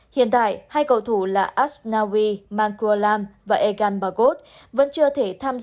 hiện tại hai cầu thủ là asnawi mangkulam và ekambagot